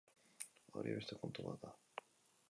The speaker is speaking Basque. Hori beste kontu bat da.